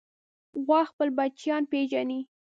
غوا خپل بچیان پېژني.